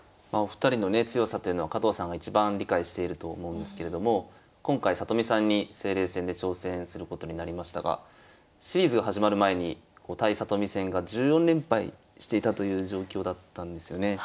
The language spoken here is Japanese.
お二人のね強さというのは加藤さんが一番理解していると思うんですけれども今回里見さんに清麗戦で挑戦することになりましたがシリーズ始まる前に対里見戦が１４連敗していたという状況だったんですよね。